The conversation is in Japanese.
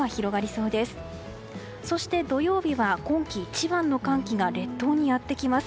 そして、土曜日は今季一番の寒気が列島にやってきます。